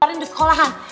paling di sekolahan